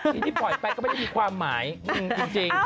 ทีนี้ปล่อยไปก็ไม่ได้มีความหมายจริง